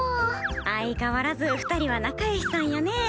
相変わらず２人は仲よしさんやね。